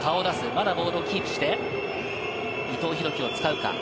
まだボールをキープして、伊藤洋輝を使うか？